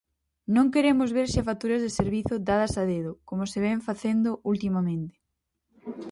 Non queremos ver xefaturas de servizo dadas a dedo, como se vén facendo ultimamente.